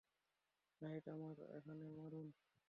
Light আমার এখানে মারুন।